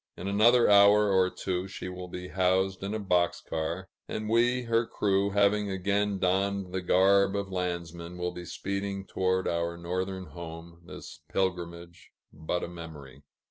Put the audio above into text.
In another hour or two, she will be housed in a box car; and we, her crew, having again donned the garb of landsmen, will be speeding toward our northern home, this pilgrimage but a memory.